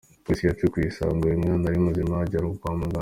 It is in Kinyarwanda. Polisi yacukuye isanga uyu mwana ari muzima ajyanwa kwa muganga.